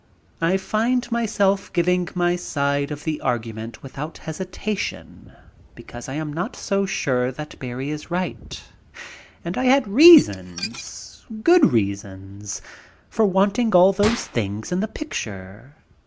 I find myself giving my side of the argument without hesitation, because I am not so sure that Barrie is right, and I had reasons, good reasons, for wanting all those things in the picture.